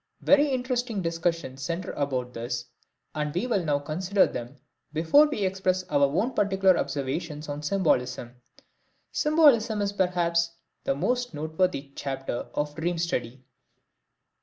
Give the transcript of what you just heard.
Very interesting discussions center about this, and we will now consider them before we express our own particular observations on symbolism. Symbolism is perhaps the most noteworthy chapter of dream study.